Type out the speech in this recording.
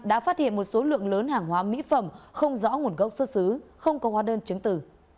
đã phát hiện một số lượng lớn hàng hóa mỹ phẩm không rõ nguồn gốc xuất xứ không có hóa đơn chứng tử